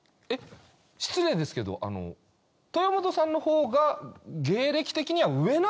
失礼ですけどあの豊本さんの方が芸歴的には上なんですか？